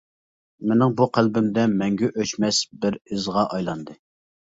مېنىڭ بۇ قەلبىمدە مەڭگۈ ئۆچمەس بىز ئىزغا ئايلاندى.